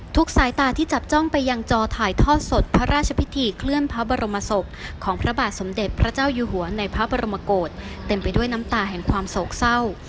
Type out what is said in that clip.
สายตาที่จับจ้องไปยังจอถ่ายทอดสดพระราชพิธีเคลื่อนพระบรมศพของพระบาทสมเด็จพระเจ้าอยู่หัวในพระบรมกฏเต็มไปด้วยน้ำตาแห่งความโศกเศร้า